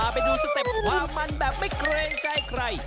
ไปดูสเต็ปความมันแบบไม่เกรงใจใคร